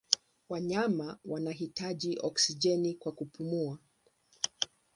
Wanyama wanahitaji oksijeni kwa kupumua.